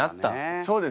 そうです